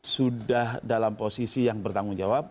sudah dalam posisi yang bertanggung jawab